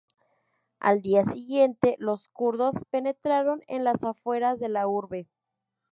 Al día siguiente, los kurdos penetraron en las afueras de la urbe.